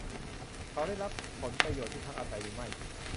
เขาได้รับผลประโยชน์ที่พักอาศัยหรือไม่ ?